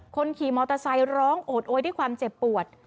คนขี่มอเตอร์ไซค์ร้องโอดโอยด้วยความเจ็บปวด